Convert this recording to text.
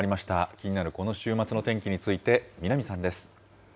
気になる、この週末の天気について、南さんです。